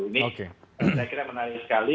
ini saya kira menarik sekali